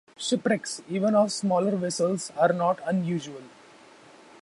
Shipwrecks, even of smaller vessels, are not unusual.